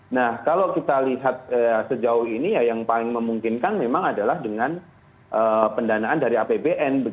nah kalau kita lihat sejauh ini ya yang paling memungkinkan memang adalah dengan pendanaan dari apbn